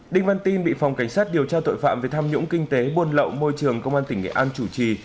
đinh văn tin bị phòng cảnh sát điều tra tội phạm về tham nhũng kinh tế buôn lậu môi trường công an tỉnh nghệ an chủ trì